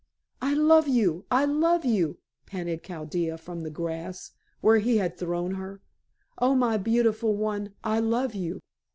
"I love you I love you," panted Chaldea from the grass, where he had thrown her. "Oh, my beautiful one, I love you."